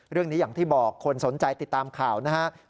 เรื่องนี้อย่างที่บอกคนสนใจติดตามข่าวนะครับ